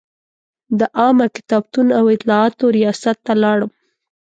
د عامه کتابتون او اطلاعاتو ریاست ته لاړم.